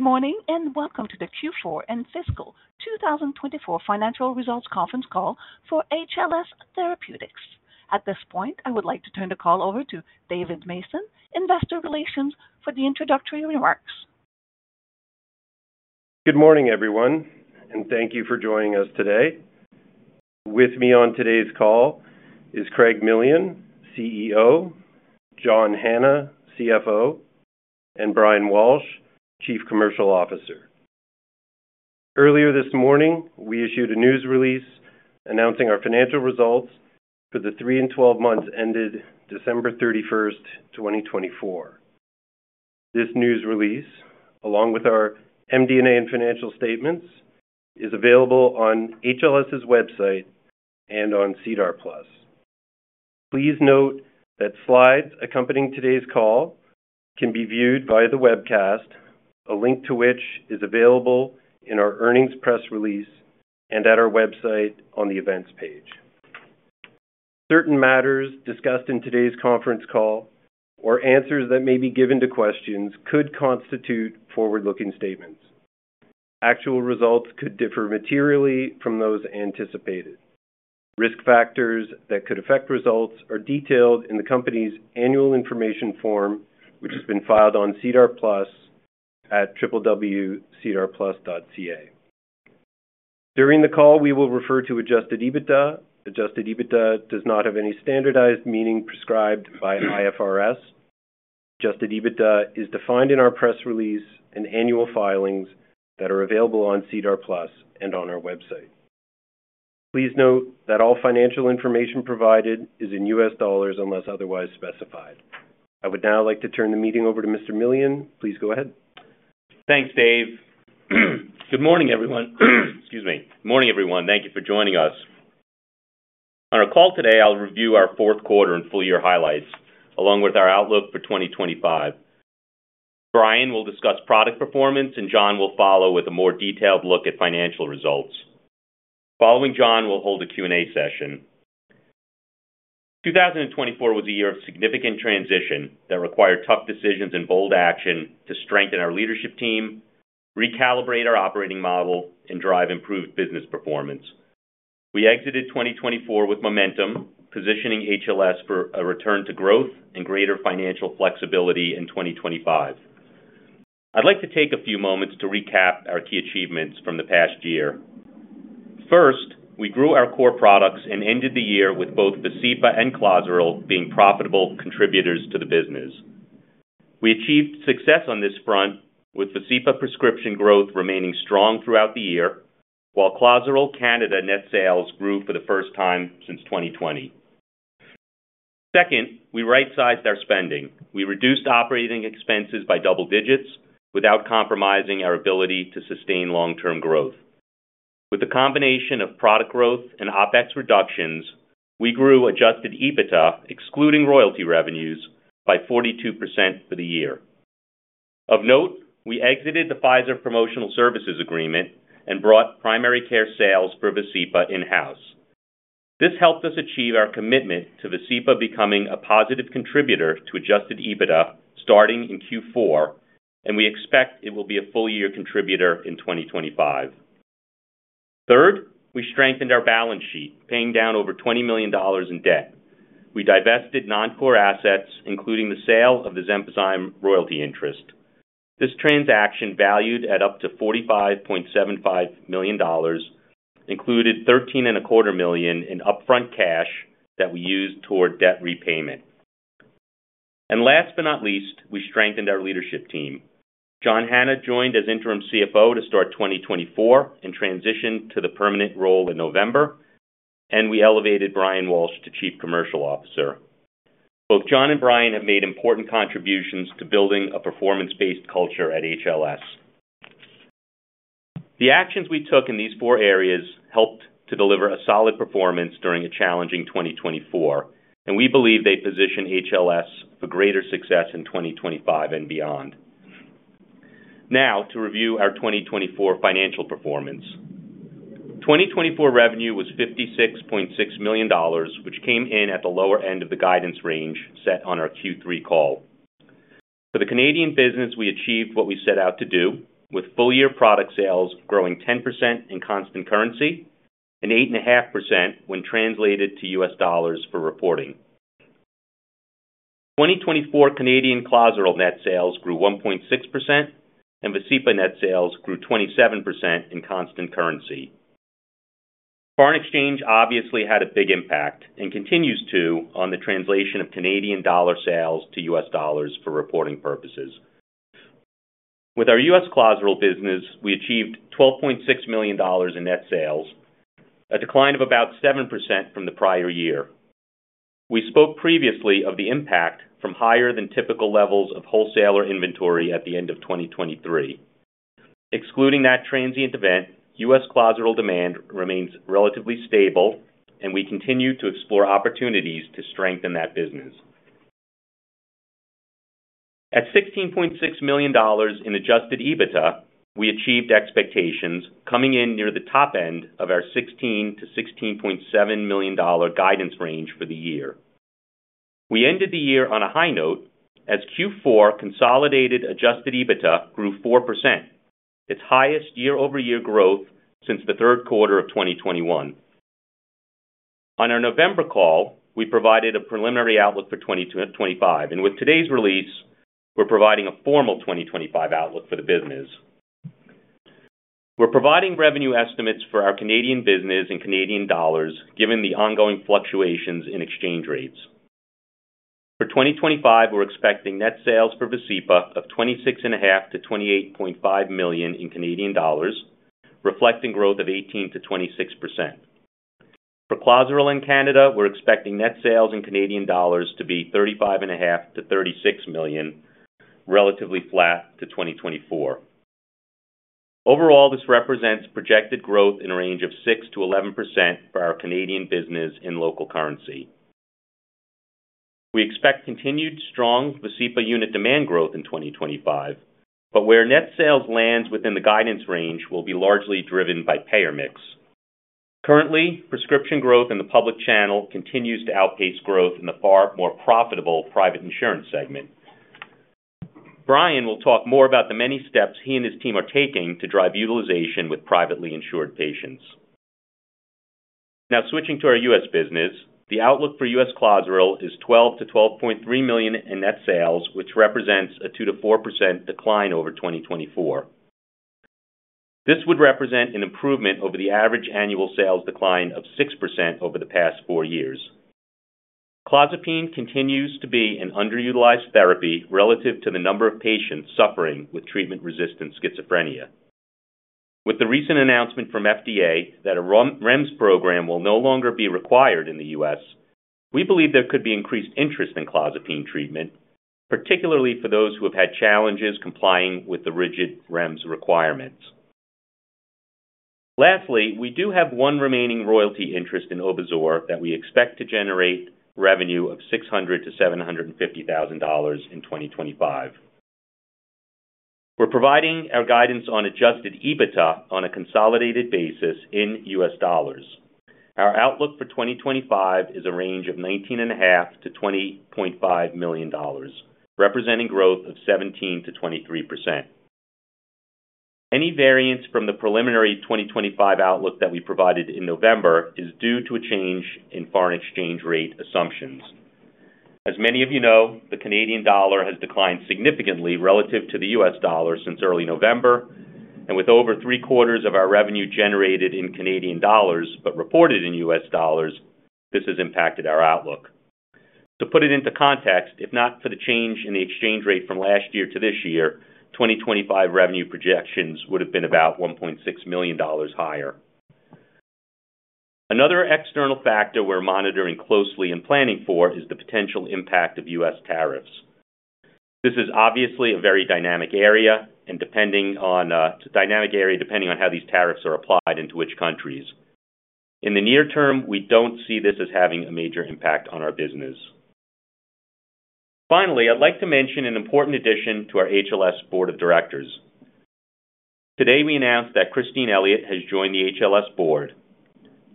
Good morning and welcome to the Q4 and Fiscal 2024 Financial Results Conference call for HLS Therapeutics. At this point, I would like to turn the call over to David Mason, Investor Relations, for the introductory remarks. Good morning, everyone, and thank you for joining us today. With me on today's call is Craig Millian, CEO, John Hanna, CFO, and Brian Walsh, Chief Commercial Officer. Earlier this morning, we issued a news release announcing our financial results for the three and twelve months ended December 31st, 2024. This news release, along with our MD&A and financial statements, is available on HLS's website and on SEDAR+. Please note that slides accompanying today's call can be viewed via the webcast, a link to which is available in our earnings press release and at our website on the events page. Certain matters discussed in today's conference call or answers that may be given to questions could constitute forward-looking statements. Actual results could differ materially from those anticipated. Risk factors that could affect results are detailed in the company's Annual Information Form, which has been filed on SEDAR+ at www.sedarplus.ca. During the call, we will refer to adjusted EBITDA. Adjusted EBITDA does not have any standardized meaning prescribed by IFRS. Adjusted EBITDA is defined in our press release and annual filings that are available on SEDAR+ and on our website. Please note that all financial information provided is in U.S. dollars unless otherwise specified. I would now like to turn the meeting over to Mr. Millian. Please go ahead. Thanks, Dave. Good morning, everyone. Excuse me. Morning, everyone. Thank you for joining us. On our call today, I'll review our fourth quarter and full-year highlights, along with our outlook for 2025. Brian will discuss product performance, and John will follow with a more detailed look at financial results. Following John, we'll hold a Q&A session. 2024 was a year of significant transition that required tough decisions and bold action to strengthen our leadership team, recalibrate our operating model, and drive improved business performance. We exited 2024 with momentum, positioning HLS for a return to growth and greater financial flexibility in 2025. I'd like to take a few moments to recap our key achievements from the past year. First, we grew our core products and ended the year with both Vascepa and Clozaril being profitable contributors to the business. We achieved success on this front, with Vascepa prescription growth remaining strong throughout the year, while Clozaril Canada net sales grew for the first time since 2020. Second, we right-sized our spending. We reduced operating expenses by double-digits without compromising our ability to sustain long-term growth. With the combination of product growth and OpEx reductions, we grew adjusted EBITDA, excluding royalty revenues, by 42% for the year. Of note, we exited the Pfizer promotional services agreement and brought primary care sales for Vascepa in-house. This helped us achieve our commitment to Vascepa becoming a positive contributor to adjusted EBITDA starting in Q4, and we expect it will be a full-year contributor in 2025. Third, we strengthened our balance sheet, paying down over $20 million in debt. We divested non-core assets, including the sale of the Xenpozyme royalty interest. This transaction, valued at up to $45.75 million, included $13.25 million in upfront cash that we used toward debt repayment. Last but not least, we strengthened our leadership team. John Hanna joined as interim CFO to start 2024 and transition to the permanent role in November, and we elevated Brian Walsh to Chief Commercial Officer. Both John and Brian have made important contributions to building a performance-based culture at HLS. The actions we took in these four areas helped to deliver a solid performance during a challenging 2024, and we believe they position HLS for greater success in 2025 and beyond. Now, to review our 2024 financial performance. 2024 revenue was $56.6 million, which came in at the lower end of the guidance range set on our Q3 call. For the Canadian business, we achieved what we set out to do, with full-year product sales growing 10% in constant currency and 8.5% when translated to U.S. dollars for reporting. 2024 Canadian Clozaril net sales grew 1.6%, and Vascepa net sales grew 27% in constant currency. Foreign exchange obviously had a big impact and continues to on the translation of Canadian dollar sales to U.S. dollars for reporting purposes. With our U.S. Clozaril business, we achieved $12.6 million in net sales, a decline of about 7% from the prior year. We spoke previously of the impact from higher than typical levels of wholesaler inventory at the end of 2023. Excluding that transient event, U.S. Clozaril demand remains relatively stable, and we continue to explore opportunities to strengthen that business. At $16.6 million in adjusted EBITDA, we achieved expectations, coming in near the top end of our $16 million-$16.7 million guidance range for the year. We ended the year on a high note as Q4 consolidated adjusted EBITDA grew 4%, its highest year-over-year growth since the third quarter of 2021. On our November call, we provided a preliminary outlook for 2025, and with today's release, we're providing a formal 2025 outlook for the business. We're providing revenue estimates for our Canadian business in Canadian dollars, given the ongoing fluctuations in exchange rates. For 2025, we're expecting net sales for Vascepa of 26.5 million-28.5 million, reflecting growth of 18%-26%. For Clozaril in Canada, we're expecting net sales in Canadian dollars to be 35.5 million-36 million, relatively flat to 2024. Overall, this represents projected growth in a range of 6%-11% for our Canadian business in local currency. We expect continued strong Vascepa unit demand growth in 2025, but where net sales lands within the guidance range will be largely driven by payer mix. Currently, prescription growth in the public channel continues to outpace growth in the far more profitable private insurance segment. Brian will talk more about the many steps he and his team are taking to drive utilization with privately insured patients. Now, switching to our U.S. business, the outlook for U.S. Clozaril is $12 million-$12.3 million in net sales, which represents a 2%-4% decline over 2024. This would represent an improvement over the average annual sales decline of 6% over the past four years. Clozapine continues to be an underutilized therapy relative to the number of patients suffering with treatment-resistant schizophrenia. With the recent announcement from FDA that a REMS program will no longer be required in the U.S., we believe there could be increased interest in Clozaril treatment, particularly for those who have had challenges complying with the rigid REMS requirements. Lastly, we do have one remaining royalty interest in Obizur that we expect to generate revenue of $600,000-$750,000 in 2025. We're providing our guidance on adjusted EBITDA on a consolidated basis in U.S. dollars. Our outlook for 2025 is a range of $19.5 million-$20.5 million, representing growth of 17%-23%. Any variance from the preliminary 2025 outlook that we provided in November is due to a change in foreign exchange rate assumptions. As many of you know, the Canadian dollar has declined significantly relative to the U.S. Dollar since early November, and with over 3/4 of our revenue generated in Canadian dollars but reported in U.S. dollars, this has impacted our outlook. To put it into context, if not for the change in the exchange rate from last year to this year, 2025 revenue projections would have been about $1.6 million higher. Another external factor we're monitoring closely and planning for is the potential impact of U.S. tariffs. This is obviously a very dynamic area and depending on how these tariffs are applied and to which countries. In the near term, we don't see this as having a major impact on our business. Finally, I'd like to mention an important addition to our HLS Board of Directors. Today, we announced that Christine Elliott has joined the HLS Board.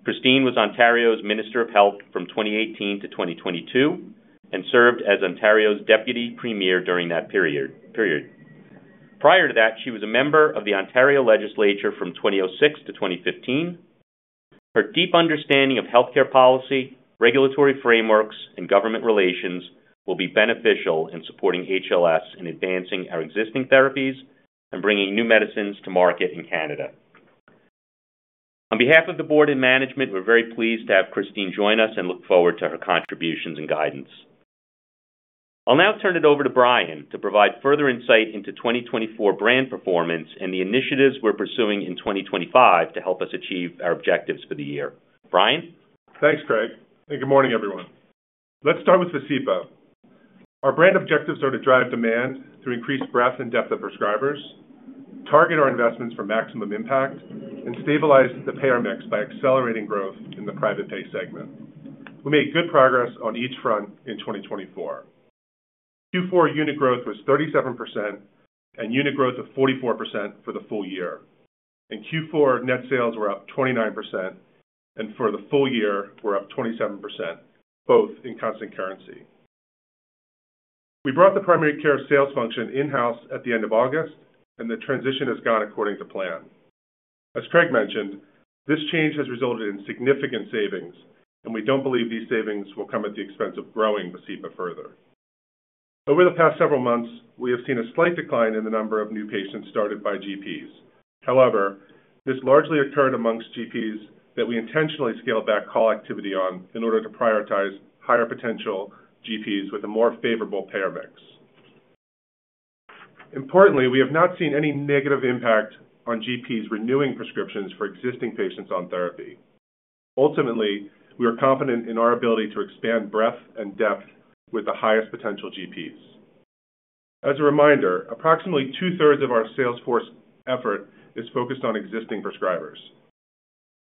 Christine was Ontario's Minister of Health from 2018-2022 and served as Ontario's Deputy Premier during that period. Prior to that, she was a member of the Ontario legislature from 2006-2015. Her deep understanding of healthcare policy, regulatory frameworks, and government relations will be beneficial in supporting HLS in advancing our existing therapies and bringing new medicines to market in Canada. On behalf of the board and management, we're very pleased to have Christine join us and look forward to her contributions and guidance. I'll now turn it over to Brian to provide further insight into 2024 brand performance and the initiatives we're pursuing in 2025 to help us achieve our objectives for the year. Brian? Thanks, Craig. Good morning, everyone. Let's start with Vascepa. Our brand objectives are to drive demand through increased breadth and depth of prescribers, target our investments for maximum impact, and stabilize the payer mix by accelerating growth in the private pay segment. We made good progress on each front in 2024. Q4 unit growth was 37% and unit growth of 44% for the full year. In Q4, net sales were up 29%, and for the full year, we're up 27%, both in constant currency. We brought the primary care sales function in-house at the end of August, and the transition has gone according to plan. As Craig mentioned, this change has resulted in significant savings, and we don't believe these savings will come at the expense of growing Vascepa further. Over the past several months, we have seen a slight decline in the number of new patients started by GPs. However, this largely occurred amongst GPs that we intentionally scaled back call activity on in order to prioritize higher potential GPs with a more favorable payer mix. Importantly, we have not seen any negative impact on GPs renewing prescriptions for existing patients on therapy. Ultimately, we are confident in our ability to expand breadth and depth with the highest potential GPs. As a reminder, approximately 2/3 of our salesforce effort is focused on existing prescribers.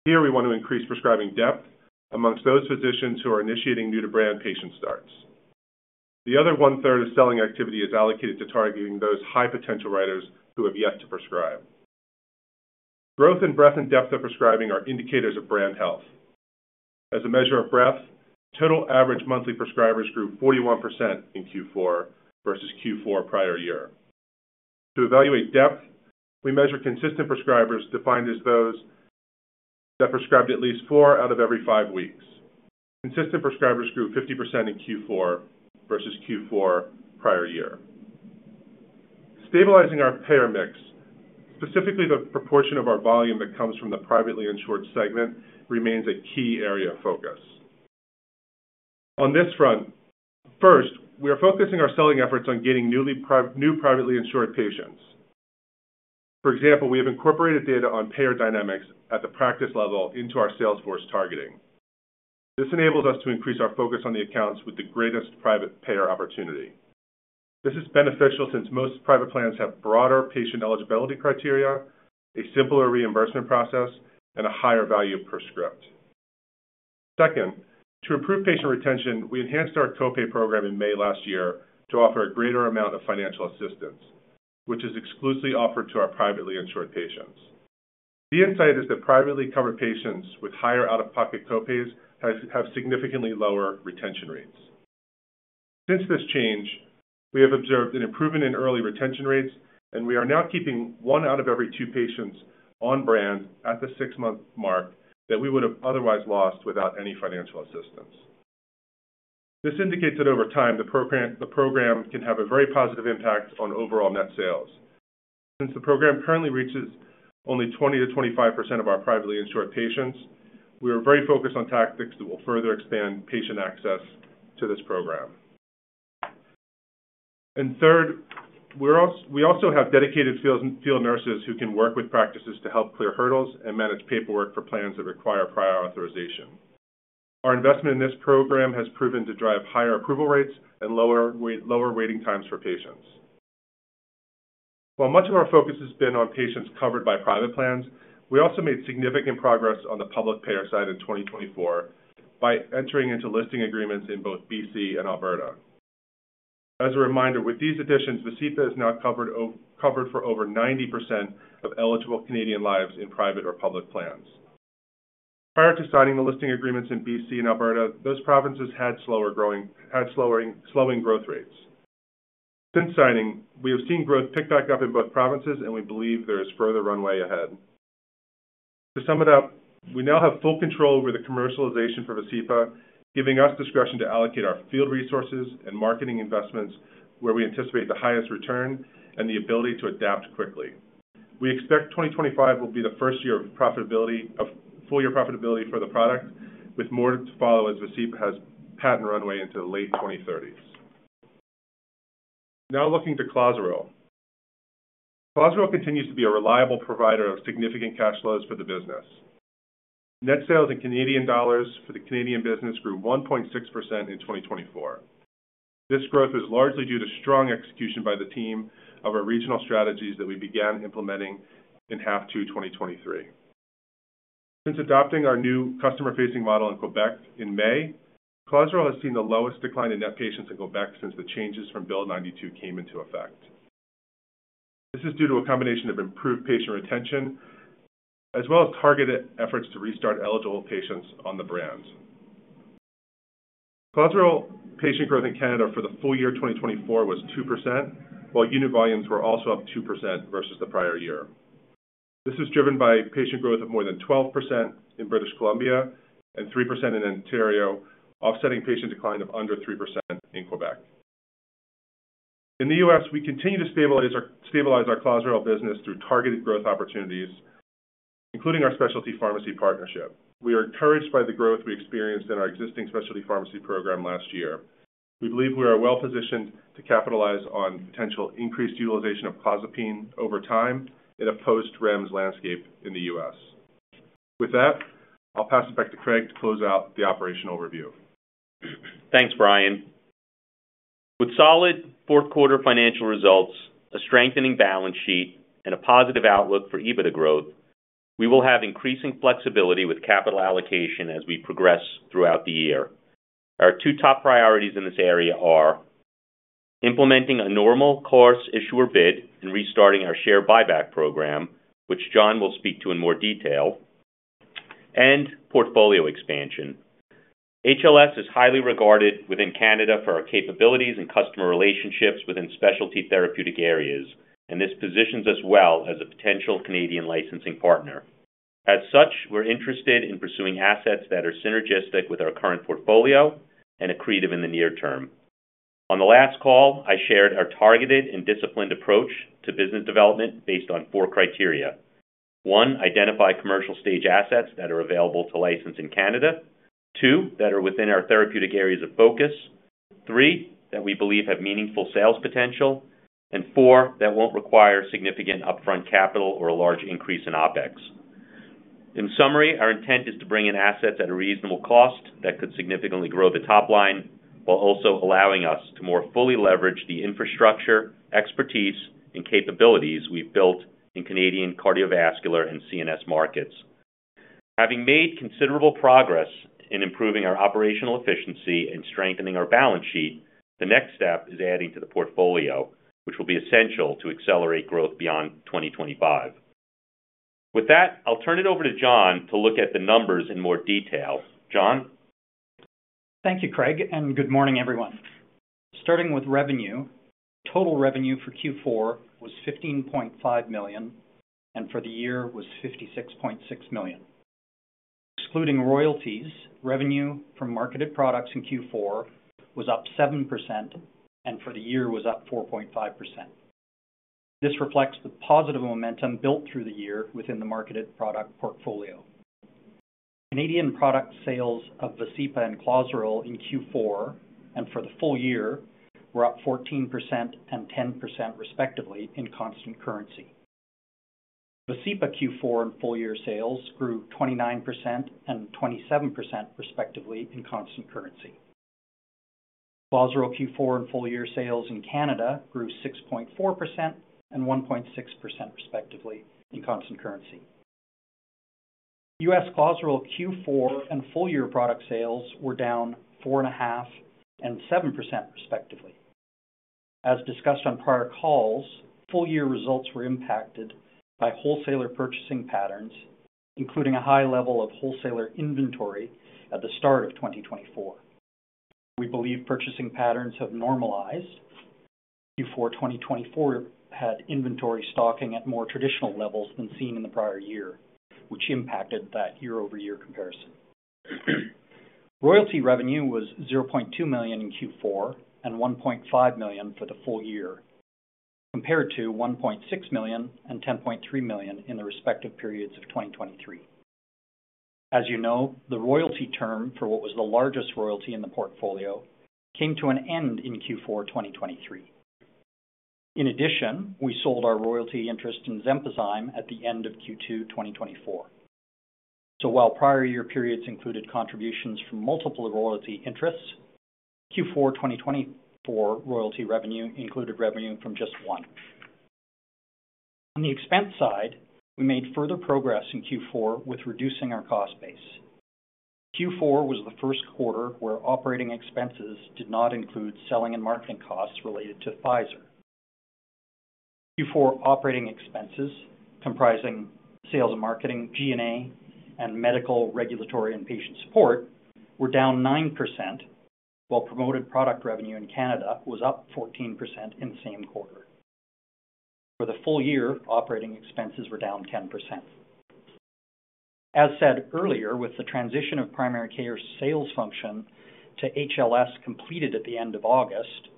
Here, we want to increase prescribing depth amongst those physicians who are initiating new-to-brand patient starts. The other one-third of selling activity is allocated to targeting those high-potential writers who have yet to prescribe. Growth in breadth and depth of prescribing are indicators of brand health. As a measure of breadth, total average monthly prescribers grew 41% in Q4 versus Q4 prior year. To evaluate depth, we measure consistent prescribers defined as those that prescribed at least four out of every five weeks. Consistent prescribers grew 50% in Q4 versus Q4 prior year. Stabilizing our payer mix, specifically the proportion of our volume that comes from the privately insured segment, remains a key area of focus. On this front, first, we are focusing our selling efforts on getting new privately insured patients. For example, we have incorporated data on payer dynamics at the practice level into our salesforce targeting. This enables us to increase our focus on the accounts with the greatest private payer opportunity. This is beneficial since most private plans have broader patient eligibility criteria, a simpler reimbursement process, and a higher value per script. Second, to improve patient retention, we enhanced our copay program in May last year to offer a greater amount of financial assistance, which is exclusively offered to our privately insured patients. The insight is that privately covered patients with higher out-of-pocket copays have significantly lower retention rates. Since this change, we have observed an improvement in early retention rates, and we are now keeping one out of every two patients on brand at the six-month mark that we would have otherwise lost without any financial assistance. This indicates that over time, the program can have a very positive impact on overall net sales. Since the program currently reaches only 20%-25% of our privately insured patients, we are very focused on tactics that will further expand patient access to this program. Third, we also have dedicated field nurses who can work with practices to help clear hurdles and manage paperwork for plans that require prior authorization. Our investment in this program has proven to drive higher approval rates and lower waiting times for patients. While much of our focus has been on patients covered by private plans, we also made significant progress on the public payer side in 2024 by entering into listing agreements in both British Columbia and Alberta. As a reminder, with these additions, Vascepa is now covered for over 90% of eligible Canadian lives in private or public plans. Prior to signing the listing agreements in British Columbia and Alberta, those provinces had slowing growth rates. Since signing, we have seen growth pick back up in both provinces, and we believe there is further runway ahead. To sum it up, we now have full control over the commercialization for Vascepa, giving us discretion to allocate our field resources and marketing investments where we anticipate the highest return and the ability to adapt quickly. We expect 2025 will be the first year of full-year profitability for the product, with more to follow as Vascepa has patent runway into the late 2030s. Now looking to Clozaril. Clozaril continues to be a reliable provider of significant cash flows for the business. Net sales in Canadian dollars for the Canadian business grew 1.6% in 2024. This growth is largely due to strong execution by the team of our regional strategies that we began implementing inH2 2023. Since adopting our new customer-facing model in Quebec in May, Clozaril has seen the lowest decline in net patients in Quebec since the changes from Bill 92 came into effect. This is due to a combination of improved patient retention as well as targeted efforts to restart eligible patients on the brand. Clozaril patient growth in Canada for the full year 2024 was 2%, while unit volumes were also up 2% versus the prior year. This is driven by patient growth of more than 12% in British Columbia and 3% in Ontario, offsetting patient decline of under 3% in Quebec. In the U.S., we continue to stabilize our Clozaril business through targeted growth opportunities, including our specialty pharmacy partnership. We are encouraged by the growth we experienced in our existing specialty pharmacy program last year. We believe we are well-positioned to capitalize on potential increased utilization of Clozapine over time in a post-REMS landscape in the U.S. With that, I'll pass it back to Craig to close out the operational review. Thanks, Brian. With solid fourth-quarter financial results, a strengthening balance sheet, and a positive outlook for EBITDA growth, we will have increasing flexibility with capital allocation as we progress throughout the year. Our two top priorities in this area are implementing a normal course issuer bid and restarting our share buyback program, which John will speak to in more detail, and portfolio expansion. HLS is highly regarded within Canada for our capabilities and customer relationships within specialty therapeutic areas, and this positions us well as a potential Canadian licensing partner. As such, we're interested in pursuing assets that are synergistic with our current portfolio and accretive in the near term. On the last call, I shared our targeted and disciplined approach to business development based on four criteria. One, identify commercial-stage assets that are available to license in Canada. Two, that are within our therapeutic areas of focus. Three, that we believe have meaningful sales potential. Four, that will not require significant upfront capital or a large increase in OpEx. In summary, our intent is to bring in assets at a reasonable cost that could significantly grow the top line while also allowing us to more fully leverage the infrastructure, expertise, and capabilities we have built in Canadian cardiovascular and CNS markets. Having made considerable progress in improving our operational efficiency and strengthening our balance sheet, the next step is adding to the portfolio, which will be essential to accelerate growth beyond 2025. With that, I will turn it over to John to look at the numbers in more detail. John? Thank you, Craig. Good morning, everyone. Starting with revenue, total revenue for Q4 was $5.5 million, and for the year was $56.6 million. Excluding royalties, revenue from marketed products in Q4 was up 7%, and for the year was up 4.5%. This reflects the positive momentum built through the year within the marketed product portfolio. Canadian product sales of Vascepa and Clozaril in Q4 and for the full year were up 14% and 10% respectively in constant currency. Vascepa Q4 and full-year sales grew 29% and 27% respectively in constant currency. Clozaril Q4 and full-year sales in Canada grew 6.4% and 1.6% respectively in constant currency. U.S. Clozaril Q4 and full-year product sales were down 4.5% and 7% respectively. As discussed on prior calls, full-year results were impacted by wholesaler purchasing patterns, including a high level of wholesaler inventory at the start of 2024. We believe purchasing patterns have normalized. Q4 2024 had inventory stocking at more traditional levels than seen in the prior year, which impacted that year-over-year comparison. Royalty revenue was $0.2 million in Q4 and $ 1.5 million for the full year, compared to $1.6 million and $10.3 million in the respective periods of 2023. As you know, the royalty term for what was the largest royalty in the portfolio came to an end in Q4 2023. In addition, we sold our royalty interest in Xenpozyme at the end of Q2 2024. While prior-year periods included contributions from multiple royalty interests, Q4 2024 royalty revenue included revenue from just one. On the expense side, we made further progress in Q4 with reducing our cost base. Q4 was the first quarter where operating expenses did not include selling and marketing costs related to Pfizer. Q4 operating expenses, comprising sales and marketing, G&A, and medical, regulatory, and patient support, were down 9%, while promoted product revenue in Canada was up 14% in the same quarter. For the full year, operating expenses were down 10%. As said earlier, with the transition of primary care sales function to HLS completed at the end of August,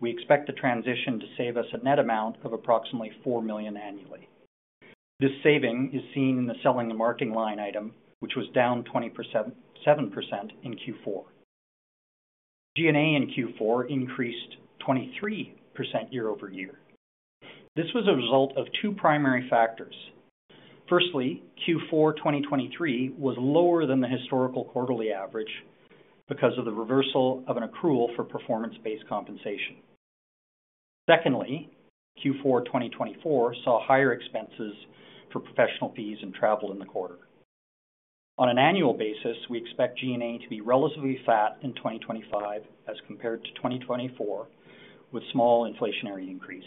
we expect the transition to save us a net amount of approximately $4 million annually. This saving is seen in the selling and marketing line item, which was down 27% in Q4. G&A in Q4 increased 23% year-over-year. This was a result of two primary factors. Firstly, Q4 2023 was lower than the historical quarterly average because of the reversal of an accrual for performance-based compensation. Secondly, Q4 2024 saw higher expenses for professional fees and travel in the quarter. On an annual basis, we expect G&A to be relatively flat in 2025 as compared to 2024, with small inflationary increase.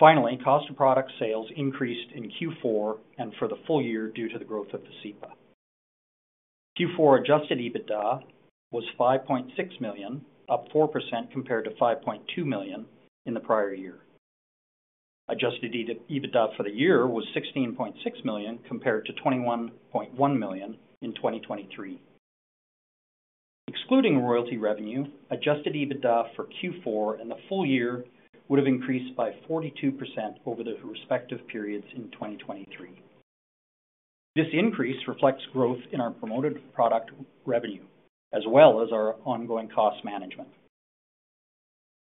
Finally, cost of product sales increased in Q4 and for the full year due to the growth of Vascepa. Q4 adjusted EBITDA was $5.6 million, up 4% compared to $5.2 million in the prior year. Adjusted EBITDA for the year was $16.6 million compared to $21.1 million in 2023. Excluding royalty revenue, adjusted EBITDA for Q4 and the full year would have increased by 42% over the respective periods in 2023. This increase reflects growth in our promoted product revenue, as well as our ongoing cost management.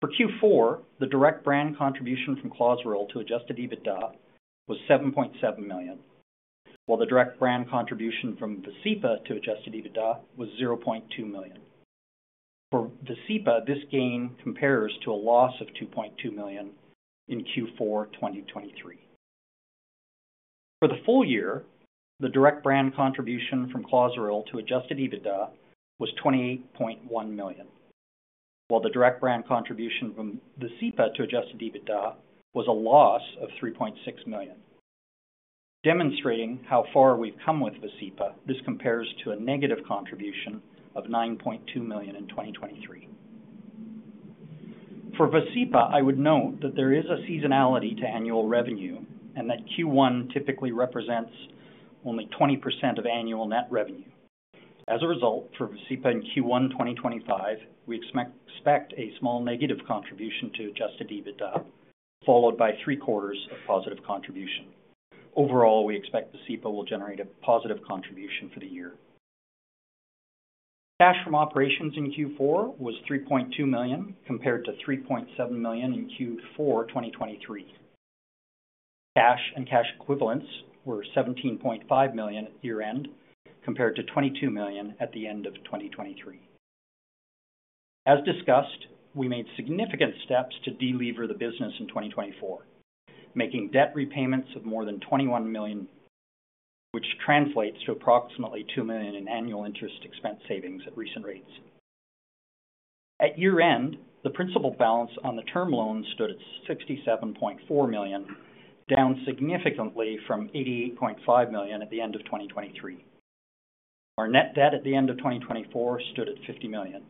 For Q4, the direct brand contribution from Clozaril to adjusted EBITDA was $7.7 million, while the direct brand contribution from Vascepa to adjusted EBITDA was $0.2 million. For Vascepa, this gain compares to a loss of $2.2 million in Q4 2023. For the full year, the direct brand contribution from Clozaril to adjusted EBITDA was $28.1 million, while the direct brand contribution from Vascepa to adjusted EBITDA was a loss of $3.6 million. Demonstrating how far we have come with Vascepa, this compares to a negative contribution of $9.2 million in 2023. For Vascepa, I would note that there is a seasonality to annual revenue and that Q1 typically represents only 20% of annual net revenue. As a result, for Vascepa in Q1 2025, we expect a small negative contribution to adjusted EBITDA, followed by three-quarters of positive contribution. Overall, we expect Vascepa will generate a positive contribution for the year. Cash from operations in Q4 was $ 3.2 million compared to $3.7 million in Q4 2023. Cash and cash equivalents were $17.5 million at year-end compared to $22 million at the end of 2023. As discussed, we made significant steps to delever the business in 2024, making debt repayments of more than $21 million, which translates to approximately $2 million in annual interest expense savings at recent rates. At year-end, the principal balance on the term loan stood at $67.4 million, down significantly from $88.5 million at the end of 2023. Our net debt at the end of 2024 stood at $50 million.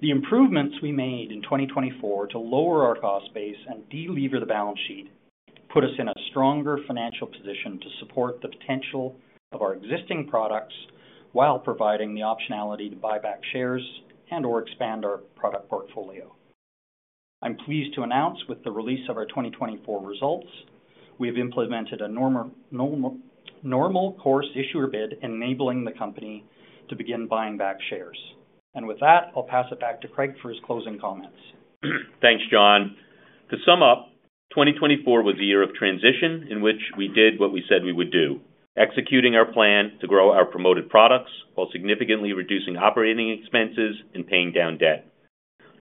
The improvements we made in 2024 to lower our cost base and delever the balance sheet put us in a stronger financial position to support the potential of our existing products while providing the optionality to buy back shares and/or expand our product portfolio. I'm pleased to announce with the release of our 2024 results, we have implemented a normal course issuer bid enabling the company to begin buying back shares. With that, I'll pass it back to Craig for his closing comments. Thanks, John. To sum up, 2024 was a year of transition in which we did what we said we would do, executing our plan to grow our promoted products while significantly reducing operating expenses and paying down debt.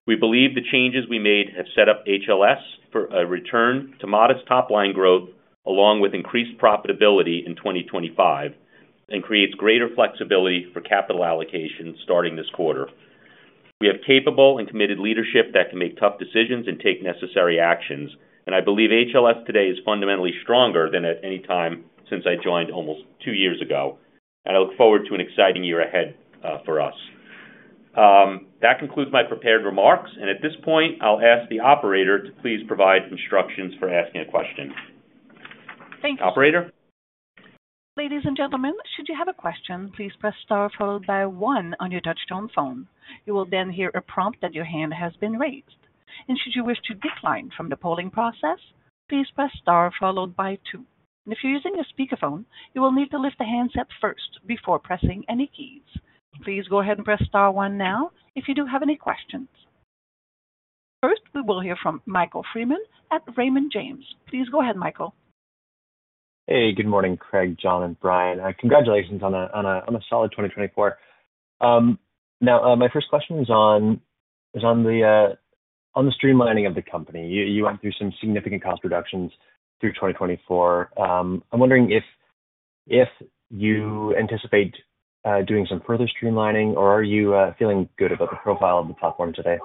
We believe the changes we made have set up HLS for a return to modest top line growth along with increased profitability in 2025 and creates greater flexibility for capital allocation starting this quarter. We have capable and committed leadership that can make tough decisions and take necessary actions. I believe HLS today is fundamentally stronger than at any time since I joined almost two years ago. I look forward to an exciting year ahead for us. That concludes my prepared remarks. At this point, I'll ask the operator to please provide instructions for asking a question. Thank you. Operator. Ladies and gentlemen, should you have a question, please press star followed by one on your touch-tone phone. You will then hear a prompt that your hand has been raised. Should you wish to decline from the polling process, please press star followed by two. If you're using a speakerphone, you will need to lift the handset first before pressing any keys. Please go ahead and press star one now if you do have any questions. First, we will hear from Michael Freeman at Raymond James. Please go ahead, Michael. Hey, good morning, Craig, John, and Brian. Congratulations on a solid 2024. Now, my first question is on the streamlining of the company. You went through some significant cost reductions through 2024. I'm wondering if you anticipate doing some further streamlining, or are you feeling good about the profile of the platform today?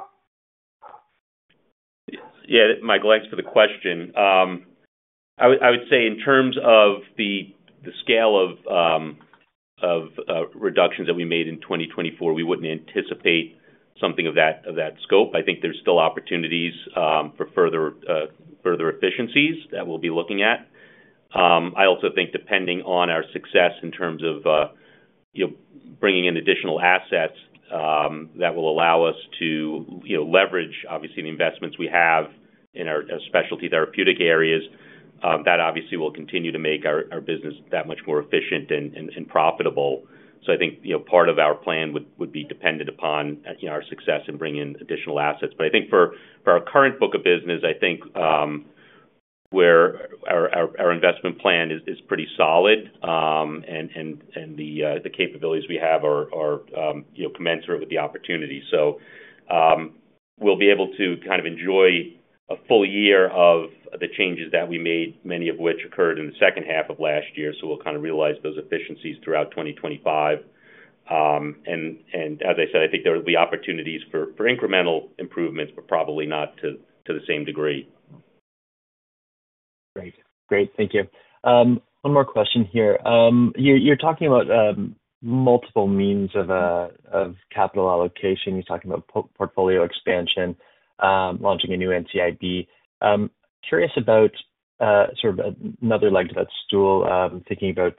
Yeah, Michael, thanks for the question. I would say in terms of the scale of reductions that we made in 2024, we would not anticipate something of that scope. I think there are still opportunities for further efficiencies that we will be looking at. I also think depending on our success in terms of bringing in additional assets that will allow us to leverage, obviously, the investments we have in our specialty therapeutic areas, that obviously will continue to make our business that much more efficient and profitable. I think part of our plan would be dependent upon our success in bringing in additional assets. I think for our current book of business, I think our investment plan is pretty solid, and the capabilities we have are commensurate with the opportunity. We will be able to kind of enjoy a full year of the changes that we made, many of which occurred in the second half of last year. We will kind of realize those efficiencies throughout 2025. As I said, I think there will be opportunities for incremental improvements, but probably not to the same degree. Great. Great. Thank you. One more question here. You're talking about multiple means of capital allocation. You're talking about portfolio expansion, launching a new NCIB. Curious about sort of another leg to that stool, thinking about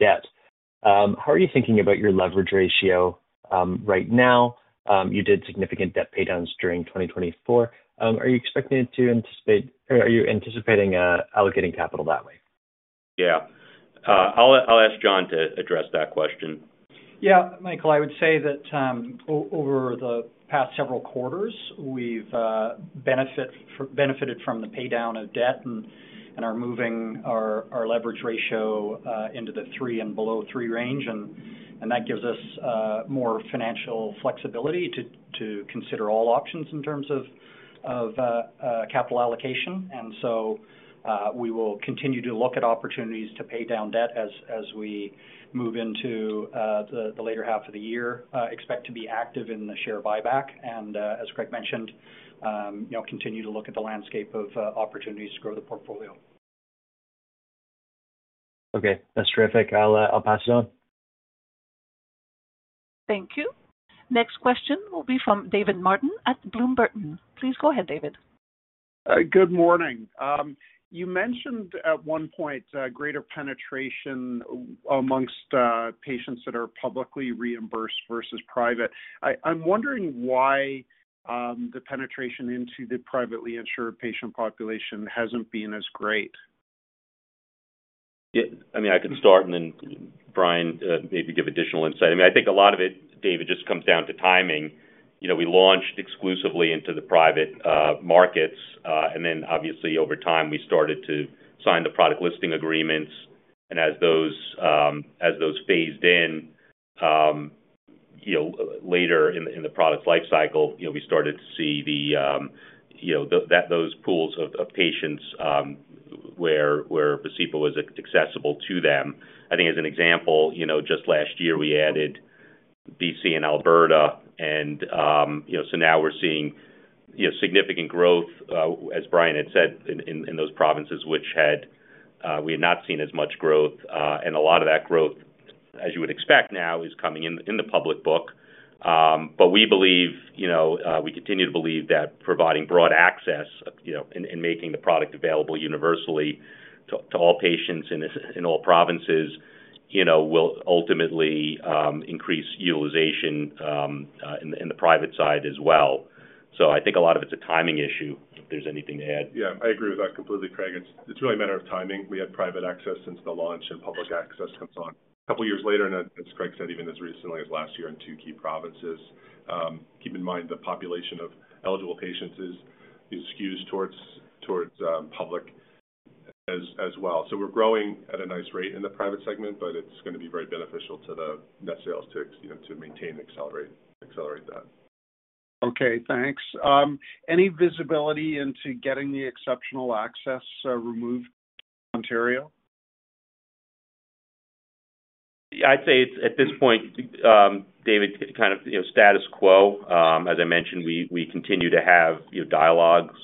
debt. How are you thinking about your leverage ratio right now? You did significant debt paydowns during 2024. Are you expecting to anticipate or are you anticipating allocating capital that way? Yeah. I'll ask John to address that question. Yeah. Michael, I would say that over the past several quarters, we've benefited from the paydown of debt and are moving our leverage ratio into the three and below three range. That gives us more financial flexibility to consider all options in terms of capital allocation. We will continue to look at opportunities to pay down debt as we move into the later half of the year, expect to be active in the share buyback. As Craig mentioned, continue to look at the landscape of opportunities to grow the portfolio. Okay. That's terrific. I'll pass it on. Thank you. Next question will be from David Martin at Bloom Burton. Please go ahead, David. Good morning. You mentioned at one point greater penetration amongst patients that are publicly reimbursed versus private. I'm wondering why the penetration into the privately insured patient population hasn't been as great. Yeah. I mean, I could start and then Brian maybe give additional insight. I mean, I think a lot of it, David, just comes down to timing. We launched exclusively into the private markets. Obviously, over time, we started to sign the product listing agreements. As those phased in later in the product's lifecycle, we started to see those pools of patients where Vascepa was accessible to them. I think as an example, just last year, we added British Columbia and Alberta. Now we are seeing significant growth, as Brian had said, in those provinces which we had not seen as much growth. A lot of that growth, as you would expect now, is coming in the public book. We believe we continue to believe that providing broad access and making the product available universally to all patients in all provinces will ultimately increase utilization in the private side as well. I think a lot of it's a timing issue. If there's anything to add. Yeah. I agree with that completely, Craig. It's really a matter of timing. We had private access since the launch and public access comes on a couple of years later, and as Craig said, even as recently as last year in two key provinces. Keep in mind the population of eligible patients is skewed towards public as well. So we're growing at a nice rate in the private segment, but it's going to be very beneficial to the net sales to maintain and accelerate that. Okay. Thanks. Any visibility into getting the exceptional access removed in Ontario? Yeah. I'd say at this point, David, kind of status quo. As I mentioned, we continue to have dialogues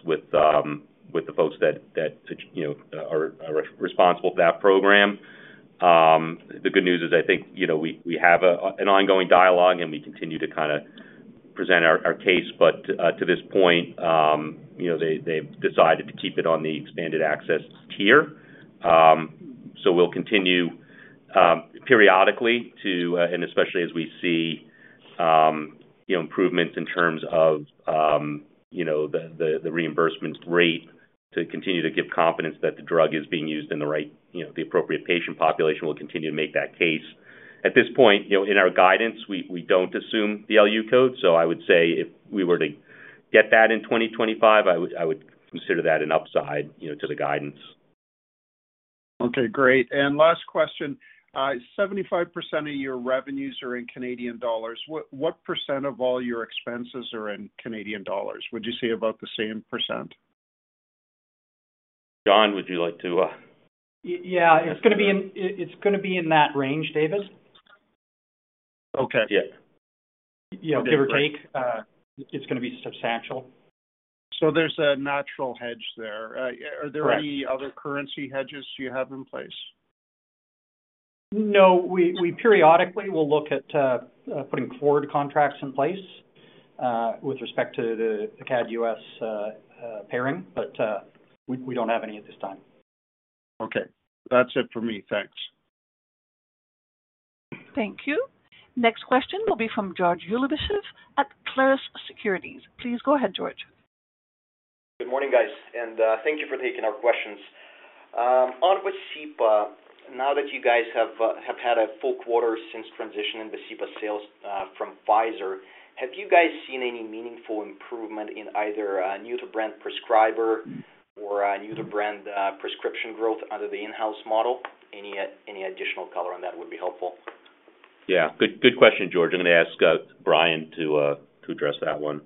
with the folks that are responsible for that program. The good news is I think we have an ongoing dialogue and we continue to kind of present our case. To this point, they've decided to keep it on the expanded access tier. We will continue periodically to, and especially as we see improvements in terms of the reimbursement rate, continue to give confidence that the drug is being used in the appropriate patient population and will continue to make that case. At this point, in our guidance, we do not assume the LU code. I would say if we were to get that in 2025, I would consider that an upside to the guidance. Okay. Great. Last question. 75% of your revenues are in Canadian dollars. What percent of all your expenses are in Canadian dollars? Would you say about the same percent? John, would you like to? Yeah. It's going to be in that range, David. Okay. Yeah. Yeah. Give or take. It's going to be substantial. There's a natural hedge there. Are there any other currency hedges you have in place? No. We periodically will look at putting forward contracts in place with respect to the CAD/U.S. pairing, but we do not have any at this time. Okay. That's it for me. Thanks. Thank you. Next question will be from George Ulybyshev at Clarus Securities. Please go ahead, George. Good morning, guys. Thank you for taking our questions. On Vascepa, now that you guys have had a full quarter since transitioning Vascepa sales from Pfizer, have you guys seen any meaningful improvement in either new-to-brand prescriber or new-to-brand prescription growth under the in-house model? Any additional color on that would be helpful. Good question, George. I'm going to ask Brian to address that one.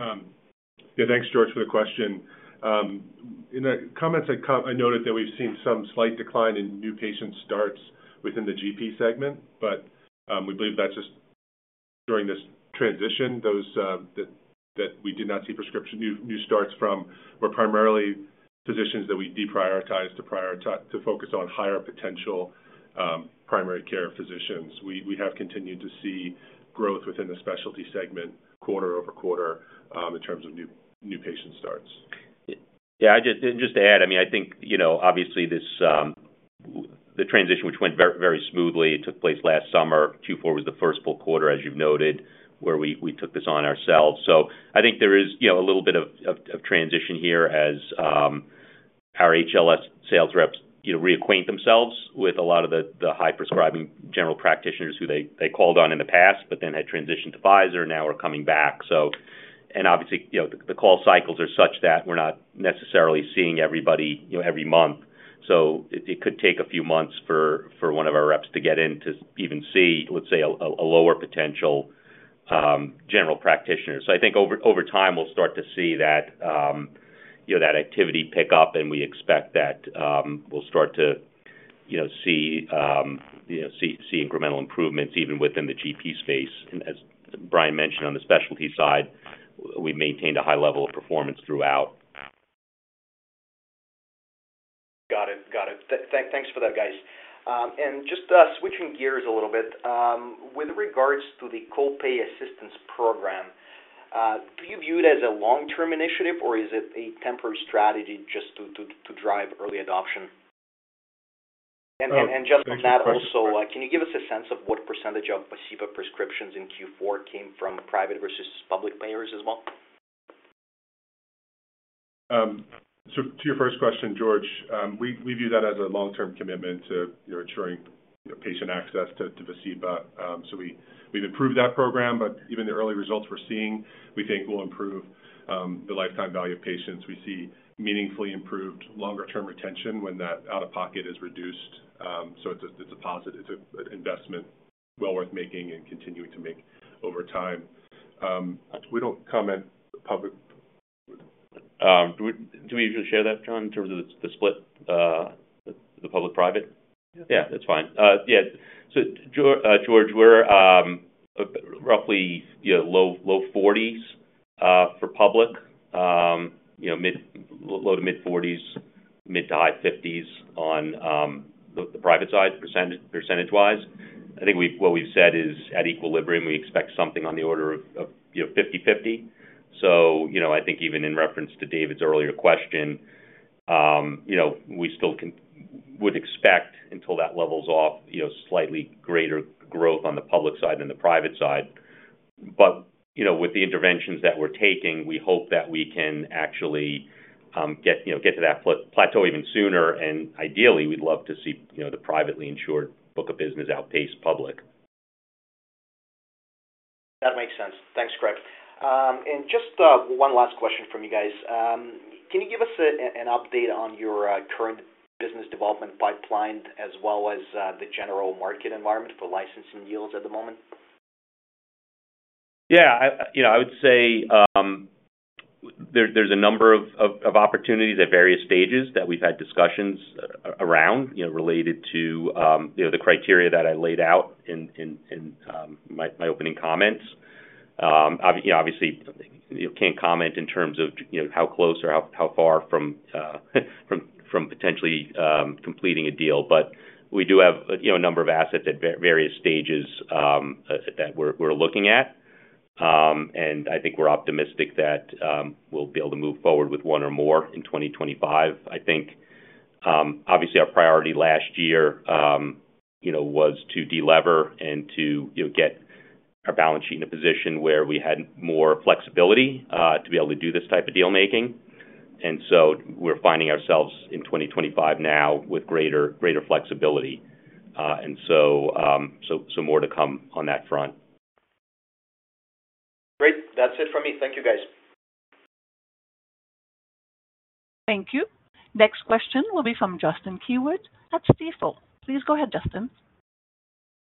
Yeah. Thanks, George, for the question. In the comments, I noted that we've seen some slight decline in new patient starts within the GP segment, but we believe that's just during this transition that we did not see new starts from were primarily physicians that we deprioritized to focus on higher potential primary care physicians. We have continued to see growth within the specialty segment quarter over quarter in terms of new patient starts. Yeah. Just to add, I mean, I think obviously the transition, which went very smoothly, took place last summer. Q4 was the first full quarter, as you've noted, where we took this on ourselves. I think there is a little bit of transition here as our HLS sales reps reacquaint themselves with a lot of the high-prescribing general practitioners who they called on in the past, but then had transitioned to Pfizer and now are coming back. Obviously, the call cycles are such that we're not necessarily seeing everybody every month. It could take a few months for one of our reps to get in to even see, let's say, a lower potential general practitioner. I think over time, we'll start to see that activity pick up, and we expect that we'll start to see incremental improvements even within the GP space. As Brian mentioned, on the specialty side, we maintained a high level of performance throughout. Got it. Got it. Thanks for that, guys. Just switching gears a little bit, with regards to the copay assistance program, do you view it as a long-term initiative, or is it a temporary strategy just to drive early adoption? Just on that also, can you give us a sense of what percentage of Vascepa prescriptions in Q4 came from private versus public payers as well? To your first question, George, we view that as a long-term commitment to ensuring patient access to Vascepa. We have improved that program, but even the early results we are seeing, we think, will improve the lifetime value of patients. We see meaningfully improved longer-term retention when that out-of-pocket is reduced. It is a positive investment well worth making and continuing to make over time. We do not comment public. Do we usually share that, John, in terms of the split, the public-private? Yes. Yeah. That's fine. Yeah. So George, we're roughly low 40% for public, low to mid-40%, mid to high 50% on the private side percentage-wise. I think what we've said is at equilibrium. We expect something on the order of 50/50. I think even in reference to David's earlier question, we still would expect until that levels off, slightly greater growth on the public side than the private side. With the interventions that we're taking, we hope that we can actually get to that plateau even sooner. Ideally, we'd love to see the privately insured book of business outpace public. That makes sense. Thanks, Craig. Just one last question from you guys. Can you give us an update on your current business development pipeline as well as the general market environment for licensing deals at the moment? Yeah. I would say there's a number of opportunities at various stages that we've had discussions around related to the criteria that I laid out in my opening comments. Obviously, can't comment in terms of how close or how far from potentially completing a deal, but we do have a number of assets at various stages that we're looking at. I think we're optimistic that we'll be able to move forward with one or more in 2025. I think, obviously, our priority last year was to delever and to get our balance sheet in a position where we had more flexibility to be able to do this type of deal-making. We are finding ourselves in 2025 now with greater flexibility. More to come on that front. Great. That's it for me. Thank you, guys. Thank you. Next question will be from Justin Keywood at Stifel. Please go ahead, Justin.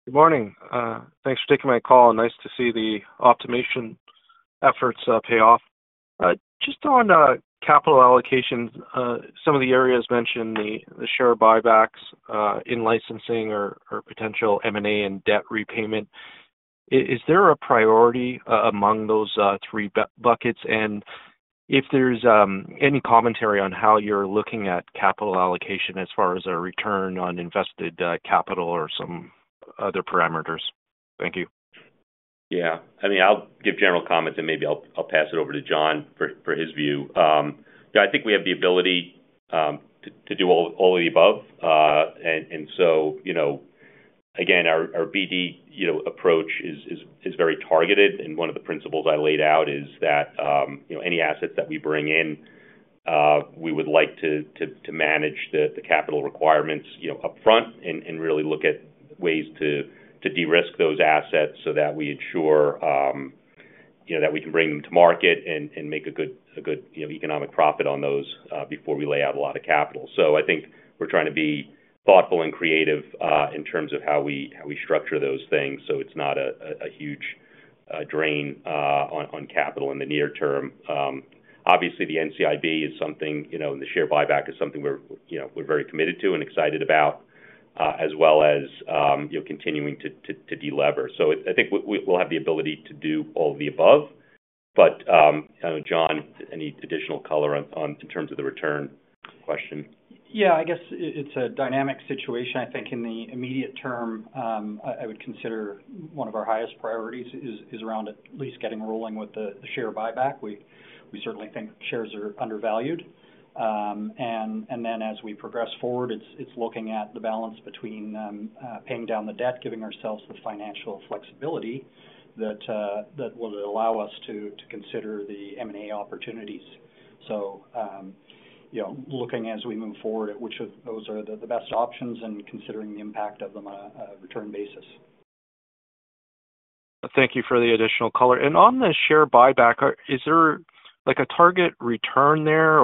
Good morning. Thanks for taking my call. Nice to see the optimization efforts pay off. Just on capital allocations, some of the areas mentioned the share buybacks in licensing or potential M&A and debt repayment. Is there a priority among those three buckets? If there is any commentary on how you're looking at capital allocation as far as a return on invested capital or some other parameters? Thank you. Yeah. I mean, I'll give general comments and maybe I'll pass it over to John for his view. Yeah. I think we have the ability to do all of the above. Our BD approach is very targeted. One of the principles I laid out is that any assets that we bring in, we would like to manage the capital requirements upfront and really look at ways to de-risk those assets so that we ensure that we can bring them to market and make a good economic profit on those before we lay out a lot of capital. I think we're trying to be thoughtful and creative in terms of how we structure those things so it's not a huge drain on capital in the near term. Obviously, the NCIB is something and the share buyback is something we're very committed to and excited about, as well as continuing to delever. I think we'll have the ability to do all of the above. John, any additional color in terms of the return question? Yeah. I guess it's a dynamic situation. I think in the immediate term, I would consider one of our highest priorities is around at least getting rolling with the share buyback. We certainly think shares are undervalued. As we progress forward, it's looking at the balance between paying down the debt, giving ourselves the financial flexibility that will allow us to consider the M&A opportunities. Looking as we move forward at which of those are the best options and considering the impact of them on a return basis. Thank you for the additional color. On the share buyback, is there a target return there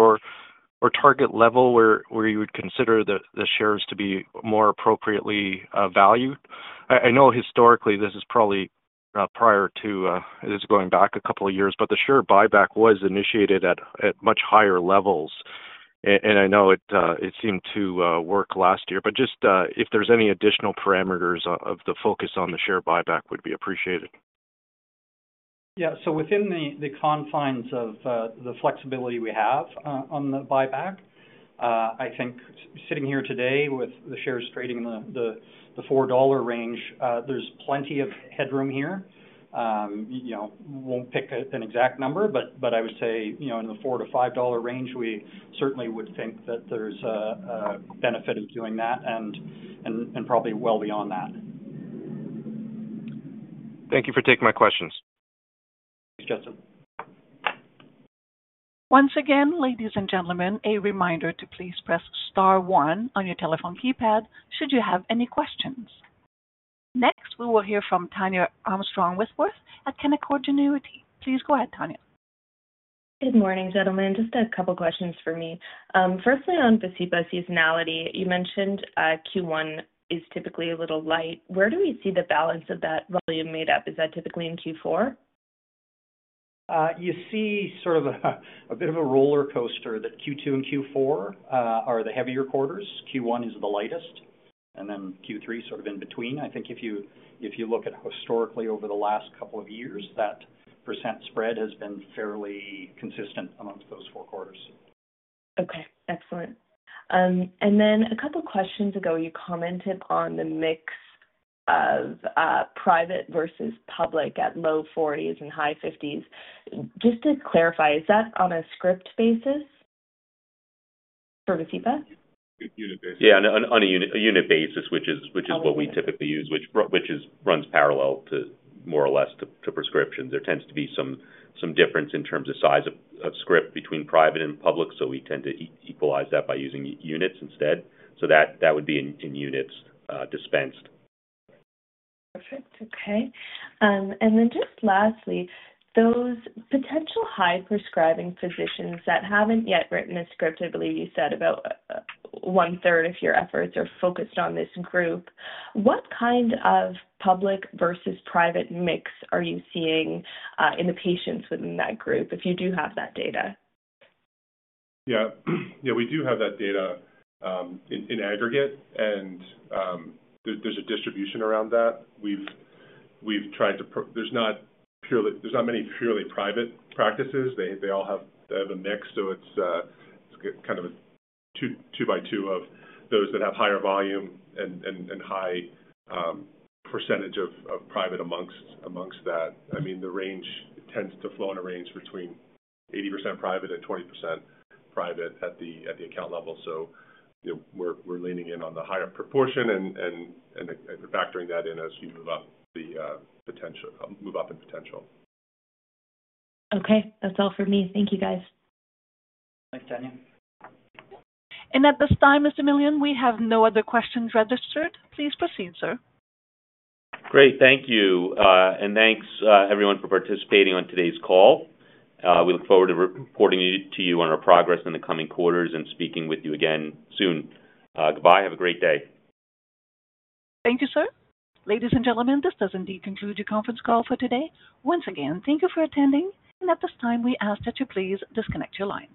or target level where you would consider the shares to be more appropriately valued? I know historically this is probably prior to this going back a couple of years, but the share buyback was initiated at much higher levels. I know it seemed to work last year. If there are any additional parameters of the focus on the share buyback, that would be appreciated. Yeah. Within the confines of the flexibility we have on the buyback, I think sitting here today with the shares trading in the $4 range, there's plenty of headroom here. Won't pick an exact number, but I would say in the $4-$5 range, we certainly would think that there's a benefit of doing that and probably well beyond that. Thank you for taking my questions. Thanks, Justin. Once again, ladies and gentlemen, a reminder to please press star one on your telephone keypad should you have any questions. Next, we will hear from Tania Armstrong-Whitworth at Canaccord Genuity. Please go ahead, Tania. Good morning, gentlemen. Just a couple of questions for me. Firstly, on Vascepa seasonality, you mentioned Q1 is typically a little light. Where do we see the balance of that volume made up? Is that typically in Q4? You see sort of a bit of a roller coaster that Q2 and Q4 are the heavier quarters. Q1 is the lightest, and then Q3 is sort of in between. I think if you look at historically over the last couple of years, that percent spread has been fairly consistent amongst those four quarters. Okay. Excellent. A couple of questions ago, you commented on the mix of private versus public at low 40s and high 50s. Just to clarify, is that on a script basis for Vascepa? Yeah. On a unit basis, which is what we typically use, which runs parallel to more or less to prescriptions. There tends to be some difference in terms of size of script between private and public, so we tend to equalize that by using units instead. That would be in units dispensed. Perfect. Okay. Lastly, those potential high-prescribing physicians that have not yet written a script, I believe you said about one-third of your efforts are focused on this group. What kind of public versus private mix are you seeing in the patients within that group if you do have that data? Yeah. Yeah. We do have that data in aggregate, and there's a distribution around that. We've tried to, there's not many purely private practices. They all have a mix, so it's kind of a two by two of those that have higher volume and high percentage of private amongst that. I mean, the range tends to flow in a range between 80% private and 20% private at the account level. So we're leaning in on the higher proportion and factoring that in as we move up the potential move up in potential. Okay. That's all for me. Thank you, guys. Thanks, Tania. At this time, Mr. Millian, we have no other questions registered. Please proceed, sir. Great. Thank you. Thanks everyone for participating on today's call. We look forward to reporting to you on our progress in the coming quarters and speaking with you again soon. Goodbye. Have a great day. Thank you, sir. Ladies and gentlemen, this does indeed conclude your conference call for today. Once again, thank you for attending. At this time, we ask that you please disconnect your line.